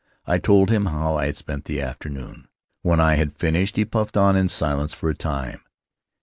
I told him how I had spent the afternoon. When I had finished he puffed on in silence for a time.